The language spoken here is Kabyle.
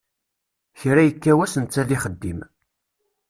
Kra yekka wass netta d ixeddim.